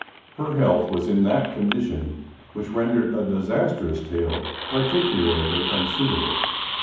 Her health was in that condition which rendered a disastrous tale particularly unsuitable.